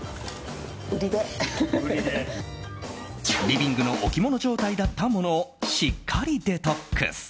リビングの置物状態だったものをしっかりデトックス。